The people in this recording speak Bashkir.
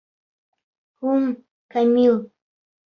Һуң, Камил...